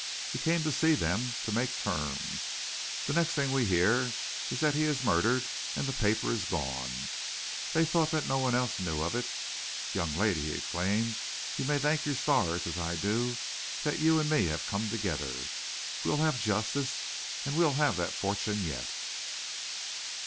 He came to see them, to make terms. The next thing we hear is that he is murdered and the paper is gone. They thought that no one else knew of it. Young lady," he exclaimed, "you may thank your stars, as I do, that you and me have come together. We'll have justice, and we'll have that fortune yet!"